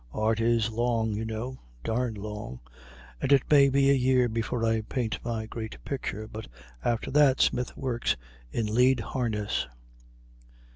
"Art is long, you know derned long and it may be a year before I paint my great picture, but after that Smith works in lead harness."